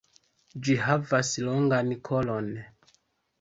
Ĝi havas longan kolon.